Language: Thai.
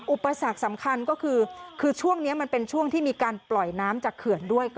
อุปสรรคสำคัญก็คือช่วงนี้มันเป็นช่วงที่มีการปล่อยน้ำจากเขื่อนด้วย